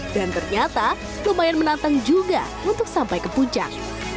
dan ternyata lumayan menantang juga untuk sampai ke puncak